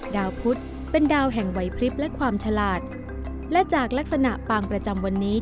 ดาวพุทธเป็นดาวแห่งไหวพลิบและความฉลาดและจากลักษณะปางประจำวันนี้